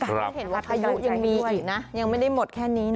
ให้เห็นว่าพายุยังมีอีกนะยังไม่ได้หมดแค่นี้นะ